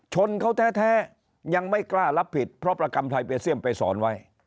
ชนเขาแท้ยังไม่กล้ารับผิดเพราะประกรรมไทยเบเซียมไปสอนไว้